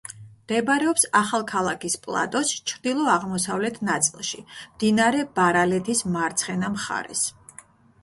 მდებარეობს ახალქალაქის პლატოს ჩრდილო-აღმოსავლეთ ნაწილში, მდინარე ბარალეთის მარცხენა მხარეს.